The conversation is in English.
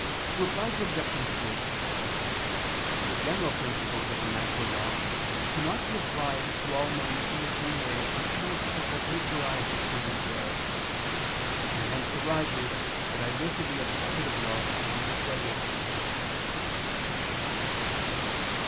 Reply Obj. 3: The general principles of the natural law cannot be applied to all men in the same way on account of the great variety of human affairs: and hence arises the diversity of positive laws among various people.